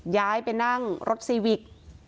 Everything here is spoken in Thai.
ย้ายไปนั่งรถซีวิก